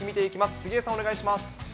杉江さん、お願いします。